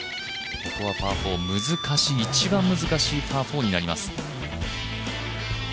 ここはパー４、一番難しいパー４になります。